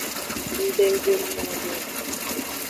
Ng be nggbe nu nyode o.